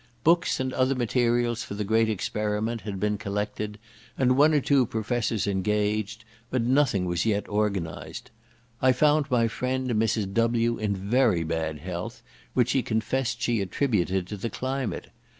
Books and other materials for the great experiment had been collected, and one or two professors engaged, but nothing was yet organized. I found my friend Mrs. W— in very bad health, which she confessed she attributed to the climate.